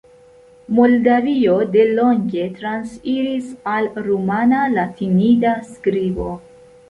Moldavio delonge transiris al rumana latinida skribo.